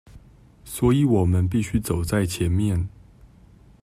所以我們必須走在前面